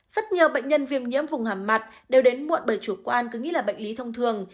rất nhiều bệnh nhân viêm nhiễm vùng hạm mặt đều đến muộn bởi chủ quan cứ nghĩ là bệnh lý thông thường